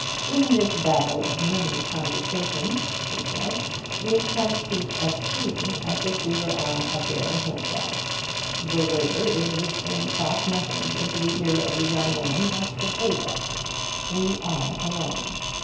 "In this babble of many conversations," he said, "we can speak as freely as if we were on a bare hill side. The waiter is whispering soft nothings into the ear of the young woman at the pay desk. We are alone.